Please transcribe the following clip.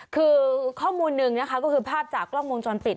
คือข้อมูลหนึ่งนะคะก็คือภาพจากกล้องวงจรปิด